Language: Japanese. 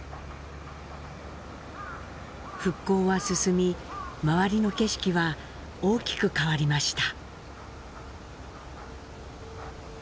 復興は進み周りの景色は大きく変わりました。